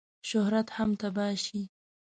شهرت هم تباه شي.